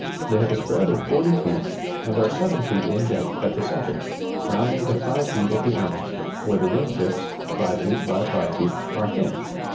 They have a spread of 40 feet, and are 7 feet in depth at the centre, rounding to 5 feet at the ends, where the wing tips, 5 feet by 5 feet, are hinged.